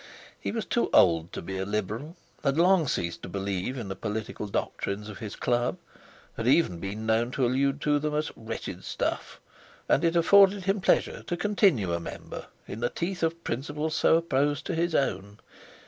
He was too old to be a Liberal, had long ceased to believe in the political doctrines of his Club, had even been known to allude to them as "wretched stuff," and it afforded him pleasure to continue a member in the teeth of principles so opposed to his own.